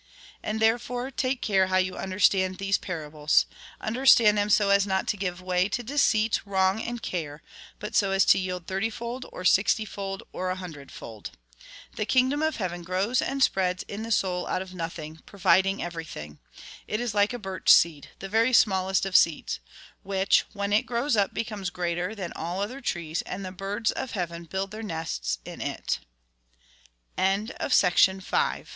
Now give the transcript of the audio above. And, therefore, take care how you understand these parables. Understand them so as not to give way to deceit, wrong, and care ; but so as to yield thirtyfold, or sixtyfold, or a hundredfold. The kingdom of heaven giows and spreads in the soul out of nothing, providing e\erything. It is like a birch seed, the very smallest of seeds, which, when it grows up, becomes greater than all other trees, and the birds of heaven build